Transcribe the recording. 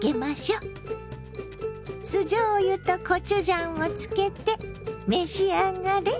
酢じょうゆとコチュジャンをつけて召し上がれ！